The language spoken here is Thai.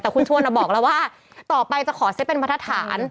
แต่คุณชวนบอกแล้วว่าต่อไปจะขอเซ็ตเป็นมาตรฐาน